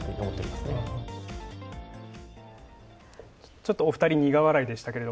ちょっとお二人苦笑いでしたけど。